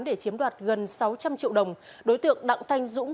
để chiếm đoạt gần sáu trăm linh triệu đồng đối tượng đặng thanh dũng